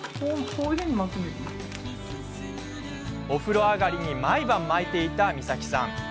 お風呂上がりに毎晩、巻いていたみさきさん。